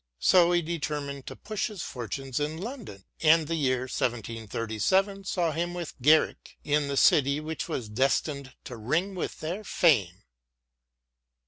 So he determined to push his fortunes in London, and the year 1737 saw him with Garrick in the city which was destined to ring with their fame.